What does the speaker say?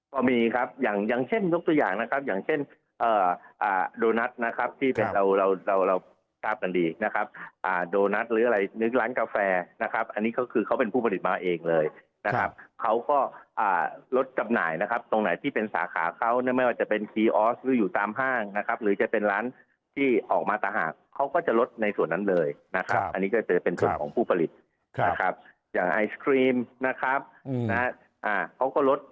ก็มีครับอย่างอย่างเช่นยกตัวอย่างนะครับอย่างเช่นโดนัทนะครับที่เป็นเราเราทราบกันดีนะครับโดนัทหรืออะไรนึกร้านกาแฟนะครับอันนี้ก็คือเขาเป็นผู้ผลิตมาเองเลยนะครับเขาก็ลดจำหน่ายนะครับตรงไหนที่เป็นสาขาเขาไม่ว่าจะเป็นคีย์ออสหรืออยู่ตามห้างนะครับหรือจะเป็นร้านที่ออกมาต่างหากเขาก็จะลดในส่วนนั้นเลยนะครับอันนี้ก็จะเป็นส่วนของผู้ผลิตนะครับอย่างไอศครีมนะครับนะฮะเขาก็ลด